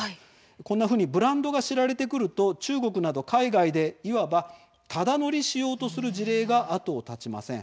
こんなふうにブランドが知られてくると、中国など海外でいわばただ乗りしようとする事例が後を絶ちません。